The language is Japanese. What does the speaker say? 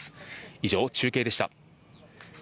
以上、中継でした。